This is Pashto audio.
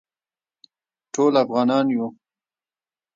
ټول افغانان یو